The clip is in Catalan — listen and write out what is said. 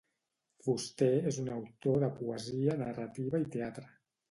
Fuster és un autor de poesia, narrativa i teatre.